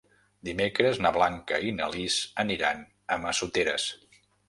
Dimecres na Blanca i na Lis aniran a Massoteres.